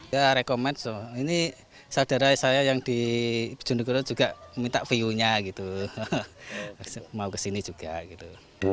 ya rekomen ini saudara saya yang di jonegoro juga minta view nya gitu mau kesini juga gitu